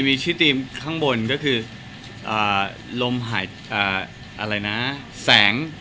มีชีวิตตรมข้างบนคือ